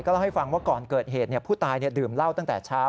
เล่าให้ฟังว่าก่อนเกิดเหตุผู้ตายดื่มเหล้าตั้งแต่เช้า